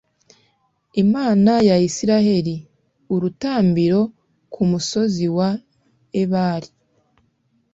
imana ya israheli, urutambiro ku musozi wa ebali